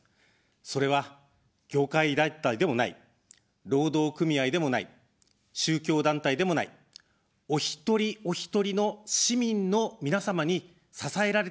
それは、業界団体でもない、労働組合でもない、宗教団体でもない、お一人おひとりの市民の皆様に支えられた政党だという点です。